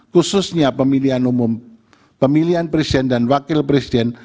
khususnya pemilihan presiden dan wakil presiden